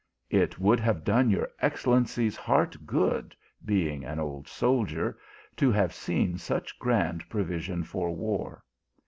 " It would have done your excellency s heart good, being 1 an old soldier, to have seen such grand provision for war.